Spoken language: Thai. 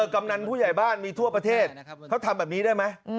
กำนันผู้ใหญ่บ้านมีทั่วประเทศเขาทำแบบนี้ได้ไหม